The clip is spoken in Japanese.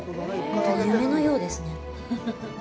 本当に夢のようですね。